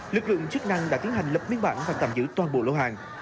lực lượng chức năng đã tiến hành lập biên bản và tạm giữ toàn bộ lô hàng